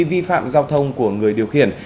vi phạm giao thông của người điều khiển